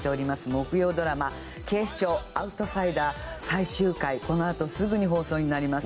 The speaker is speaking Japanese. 木曜ドラマ『警視庁アウトサイダー』最終回このあとすぐに放送になります。